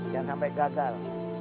dan sampai gagal